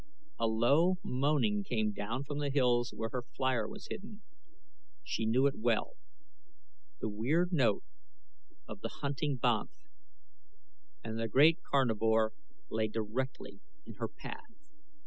A low moaning came down from the hills where her flier was hidden. She knew it well the weird note of the hunting banth. And the great carnivore lay directly in her path.